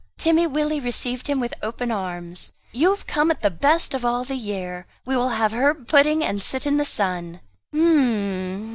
Timmy Willie received him with open arms. "You have come at the best of all the year, we will have herb pudding and sit in the sun." "H'm'm!